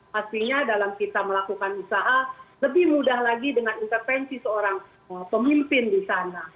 pastinya dalam kita melakukan usaha lebih mudah lagi dengan intervensi seorang pemimpin di sana